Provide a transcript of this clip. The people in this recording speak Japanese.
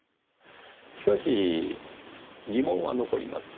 しかし疑問は残ります。